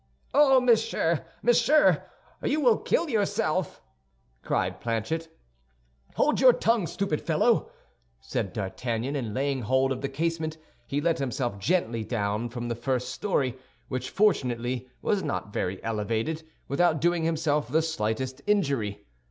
"Oh, monsieur! Monsieur! You will kill yourself," cried Planchet. "Hold your tongue, stupid fellow," said D'Artagnan; and laying hold of the casement, he let himself gently down from the first story, which fortunately was not very elevated, without doing himself the slightest injury.